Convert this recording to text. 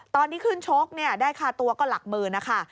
ตอนนี้ขึ้นชกเนี่ยได้ค่าตัวก็หลักมือนะคะ